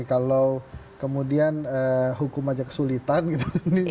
kalau kemudian hukum aja kesulitan gitu